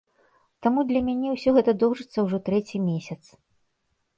Таму для мяне ўсё гэта доўжыцца ўжо трэці месяц.